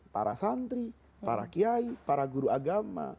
para santri para kiai para guru agama